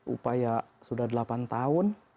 upaya sudah delapan tahun